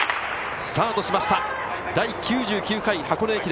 スタートしました、第９９回箱根駅伝。